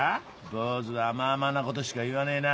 坊主は甘々なことしか言わねえな。